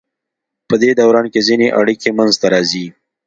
پدې دوران کې ځینې اړیکې منځ ته راځي.